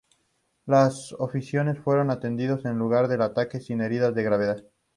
Los oficiales fueron atendidos en el lugar del ataque sin heridas de gravedad.